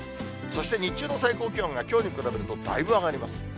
そして日中の最高気温が、きょうに比べるとだいぶ上がります。